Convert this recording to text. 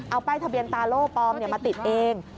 เอาป้ายทะเบียนตาโล่ปลอมมาติดเอง